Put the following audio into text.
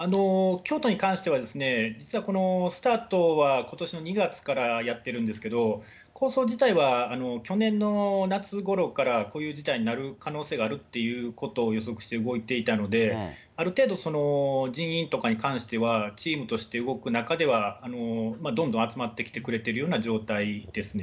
京都に関しては、実はこのスタートはことしの２月からやってるんですけど、構想自体は去年の夏ごろからこういう事態になる可能性があるっていうことを予測して動いていたので、ある程度その、人員とかに関しては、チームとして動く中では、どんどん集まってきてくれてるような状態ですね。